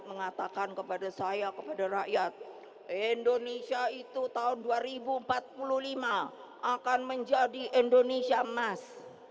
mengatakan kepada saya kepada rakyat indonesia itu tahun dua ribu empat puluh lima akan menjadi indonesia emas